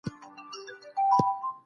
ما یو نوي ډول خواړه پاخه کړي دي.